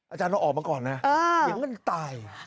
อาจารย์เราออกมาก่อนนะยังกันตายค่ะเออ